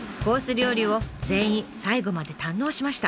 料理を全員最後まで堪能しました。